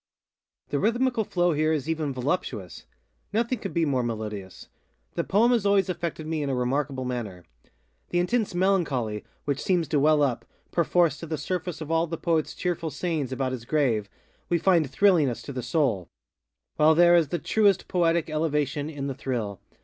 The rhythmical flow here is even voluptuousŌĆönothing could be more melodious. The poem has always affected me in a remarkable manner. The intense melancholy which seems to well up, perforce, to the surface of all the poetŌĆÖs cheerful sayings about his grave, we find thrilling us to the soulŌĆöwhile there is the truest poetic elevation in the thrill.